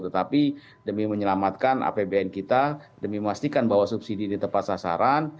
tetapi demi menyelamatkan apbn kita demi memastikan bahwa subsidi ini tepat sasaran